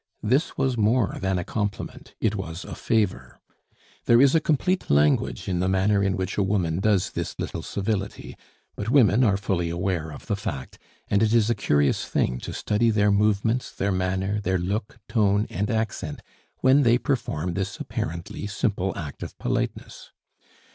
This was more than a compliment, it was a favor. There is a complete language in the manner in which a woman does this little civility; but women are fully aware of the fact, and it is a curious thing to study their movements, their manner, their look, tone, and accent when they perform this apparently simple act of politeness.